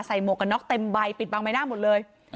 หมวกกันน็อกเต็มใบปิดบางใบหน้าหมดเลย